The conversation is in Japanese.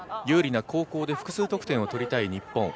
有利な後攻で複数得点を取りたい日本。